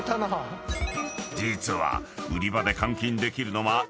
［実は］